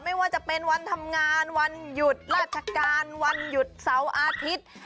ไม่ว่าจะเป็นวันทำงานวันหยุดราชการวันหยุดเสาร์อาทิตย์